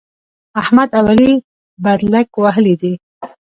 احمد او علي بدلک وهلی دی.